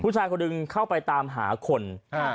ผู้ชายคนหนึ่งเข้าไปตามหาคน